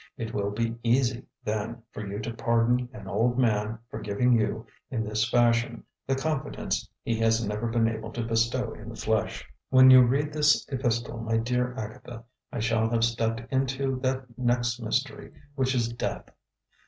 It will be easy, then, for you to pardon an old man for giving you, in this fashion, the confidence he has never been able to bestow in the flesh. "When you read this epistle, my dear Agatha, I shall have stepped into that next mystery, which is Death.